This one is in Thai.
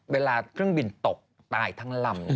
เวลาเครื่องบินตกตายทั้งลำ